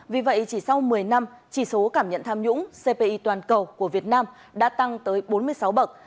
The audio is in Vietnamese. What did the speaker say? vì vậy chỉ sau một mươi năm chỉ số cảm nhận tham nhũng cpi toàn cầu của việt nam đã tăng tới bốn mươi sáu bậc